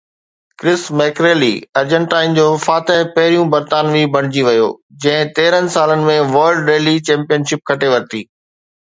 ڪرس ميڪريلي ارجنٽائن جو فاتح پهريون برطانوي بڻجي ويو جنهن تيرهن سالن ۾ ورلڊ ريلي چيمپئن شپ کٽي ورتي